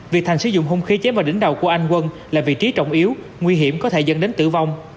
việc thành sử dụng hung khí chém vào đỉnh đầu của anh quân là vị trí trọng yếu nguy hiểm có thể dẫn đến tử vong